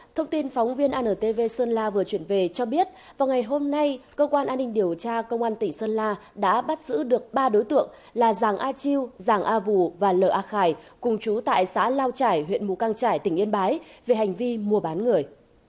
thông tin phóng viên antv sơn la vừa chuyển về cho biết vào ngày hôm nay cơ quan an ninh điều tra công an tỉnh sơn la đã bắt giữ được ba đối tượng là giàng a chiu giàng a vù và l a khải cùng chú tại xã lao trải huyện mù căng trải tỉnh yên bái về hành vi mua bán người